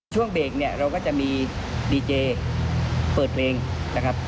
ช่วงเบรกเนี่ยเราก็จะมีดีเจเปิดเพลงนะครับ